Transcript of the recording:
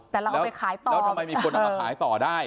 แต่เราเอาไปขายต่อแล้วทำไมมีคนเอามาขายต่อได้